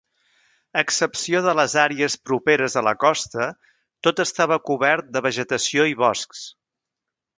A excepció de les àrees properes a la costa, tot estava cobert de vegetació i boscs.